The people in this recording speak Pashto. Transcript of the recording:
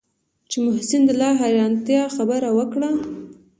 چې محسن د لا حيرانتيا خبره وکړه.